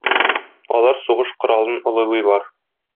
Алар сугыш коралын олылыйлар.